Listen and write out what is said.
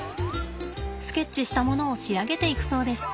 スケッチしたものを仕上げていくそうです。